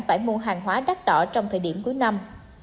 phải mua hàng hóa đắt đỏ trong thời điểm cuối năm